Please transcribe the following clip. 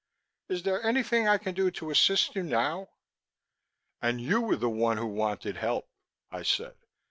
Is there anything I can do to assist you now?" "And you were the one who wanted help," I said.